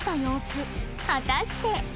果たして